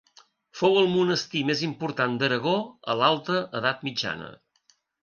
Fou el monestir més important d'Aragó a l'alta edat mitjana.